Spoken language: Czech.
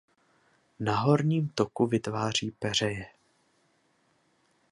Na horním toku vytváří peřeje.